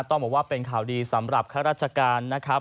ต้องบอกว่าเป็นข่าวดีสำหรับข้าราชการนะครับ